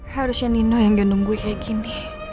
harusnya nino yang gendung gue kayak gini